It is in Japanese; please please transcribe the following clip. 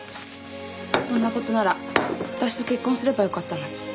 こんな事なら私と結婚すればよかったのに。